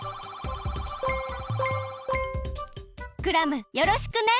クラムよろしくね！